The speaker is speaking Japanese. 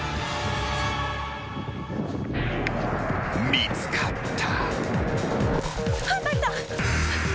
［見つかった］